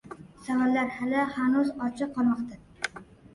Savollar hali hanuz ochi qolmoqda.